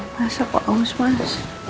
masa kok haus mas